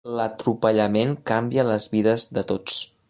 L'atropellament canvia les vides de tots.